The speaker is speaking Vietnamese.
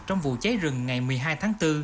trong vụ cháy rừng ngày một mươi hai tháng bốn